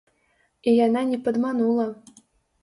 І яна не падманула!